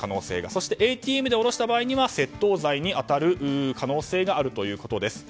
そしてＡＴＭで下ろした場合には窃盗罪に当たる可能性があるということです。